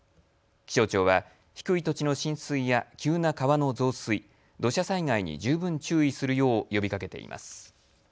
気象庁は低い土地の浸水や急な川の増水、土砂災害に十分注意するよう呼びかけています。